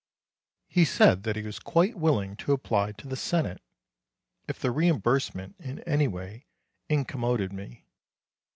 He said that he was quite willing to apply to the Senate, if the reimbursement in any way incommoded me.